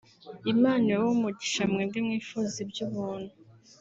“Imana ibahe umugisha mwebwe mwifuza iby’ubuntu